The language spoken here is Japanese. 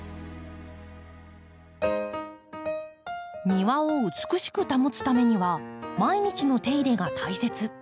庭を美しく保つためには毎日の手入れが大切。